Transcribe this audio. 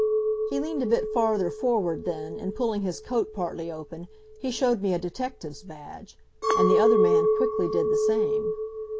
He leaned a bit farther forward then, and pulling his coat partly open, he showed me a detective's badge. And the other man quickly did the same.